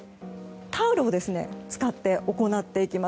タオルを使って行っていきます。